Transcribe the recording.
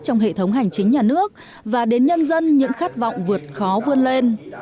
trong hệ thống hành chính nhà nước và đến nhân dân những khát vọng vượt khó vươn lên